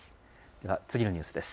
では次のニュースです。